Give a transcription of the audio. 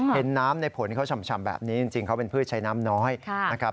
เห็นน้ำในผลเขาฉ่ำแบบนี้จริงเขาเป็นพืชใช้น้ำน้อยนะครับ